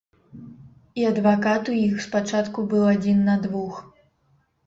І адвакат у іх спачатку быў адзін на двух.